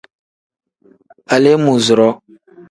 Aleemuuzuroo.